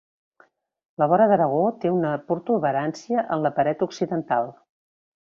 La vora d'Aragó té una protuberància en la paret occidental.